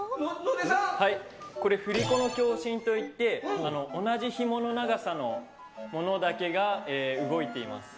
野出さんはいこれ振り子の共振といって同じひもの長さのものだけが動いています